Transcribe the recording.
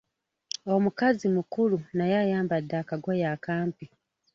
Omukazi mukulu naye ayambadde akagoye akampi.